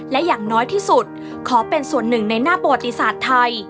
และอย่างน้อยที่สุดขอเป็นส่วนหนึ่งในหน้าประวัติศาสตร์ไทย